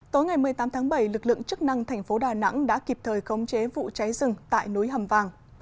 tối ngày một mươi tám tháng bảy lực lượng chức năng thành phố đà nẵng đã kịp thời khống chế vụ cháy rừng tại núi hầm vàng